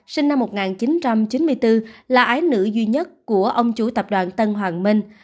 sinh năm một nghìn chín trăm chín mươi bốn là ái nữ duy nhất của ông chủ tập đoàn tân hoàng minh